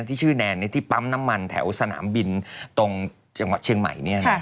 ที่ชื่อแนนที่ปั๊มน้ำมันแถวสนามบินตรงจังหวัดเชียงใหม่